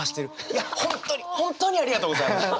いや本当に本当にありがとうございます。